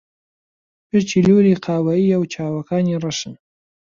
پرچی لوولی قاوەیییە و چاوەکانی ڕەشن.